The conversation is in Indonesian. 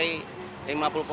disini bisa jual berapa